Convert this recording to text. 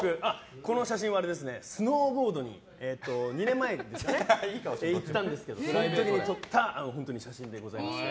この写真はスノーボードに２年前行ったんですけどその時に撮った写真です。